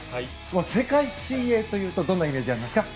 世界水泳というとどんなイメージがありますか？